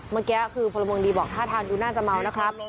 เมื่อกี้มองดีบอกถ้าทานดูน่าจะมาวนะครับ